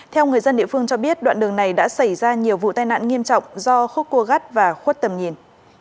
theo người dân địa phương cho biết đoạn đường này đã xảy ra nhiều vụ tai nạn nghiêm trọng do khúc cua gắt và khuất tầm nhìn